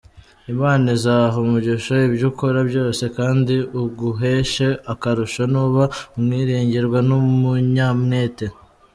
Imana izaha umugisha ibyo ukora byose kandi iguheshe akarusho nuba umwiringirwa n'umunyamwete.